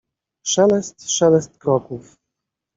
Szelest, szelest kroków.